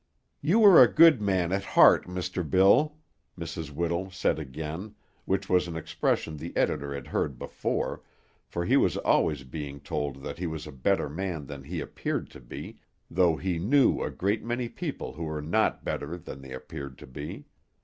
"You are a good man at heart, Mr. Bill," Mrs. Whittle said again, which was an expression the editor had heard before, for he was always being told that he was a better man than he appeared to be, though he knew a great many people who were not better than they appeared to be.